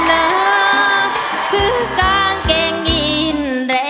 นักรักด้วย